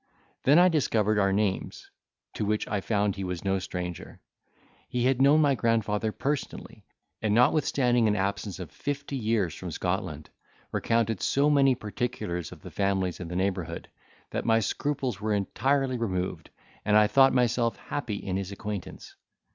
Then I discovered our names, to which I found he was no stranger; he had known my grandfather personally; and, notwithstanding an absence of fifty years from Scotland, recounted so many particulars of the families in the neighbourhood, that my scruples were entirely removed, and I thought myself happy in his acquaintance.